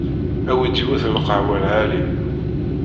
Awi-d yiwet n lqahwa lɛali.